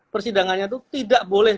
persidangannya itu tidak boleh